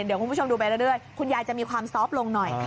เดี๋ยวคุณผู้ชมดูไปเรื่อยคุณยายจะมีความซอฟต์ลงหน่อย